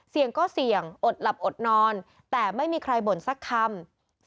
เสี่ยงก็เสี่ยงอดหลับอดนอนแต่ไม่มีใครบ่นสักคำ